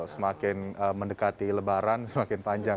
semakin mendekati lebaran semakin panjang